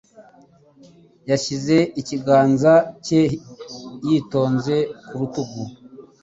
Yashyize ikiganza cye yitonze ku rutugu.